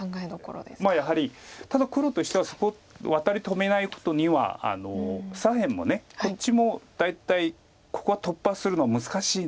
やはりただ黒としてはそこワタリ止めないことには左辺もこっちも大体ここは突破するのは難しいので。